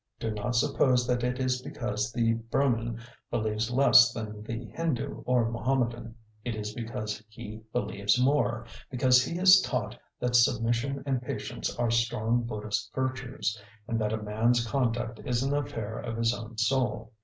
Do not suppose that it is because the Burman believes less than the Hindu or Mahommedan. It is because he believes more, because he is taught that submission and patience are strong Buddhist virtues, and that a man's conduct is an affair of his own soul.